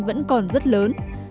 vẫn còn rất lớn